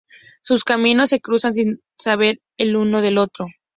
Sus caminos se cruzan sin saber el uno del otro.